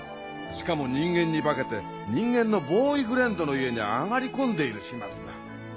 しかも人間に化けて人間のボーイフレンドの家に上がり込んでいる始末だ。